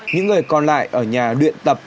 những người còn lại ở nhà luyện tập